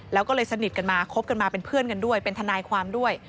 แล้วก็เลยสนิทกันมาคบกันมาเป็นเพื่อนกันด้วยเป็นทนายความด้วย